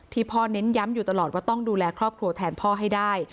พ่อเน้นย้ำอยู่ตลอดว่าต้องดูแลครอบครัวแทนพ่อให้ได้